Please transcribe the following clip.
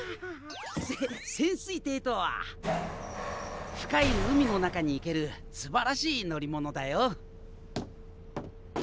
せ潜水艇とは深い海の中に行けるすばらしい乗り物だよ。